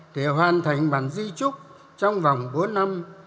để hoàn thành bản di trúc trong vòng bốn năm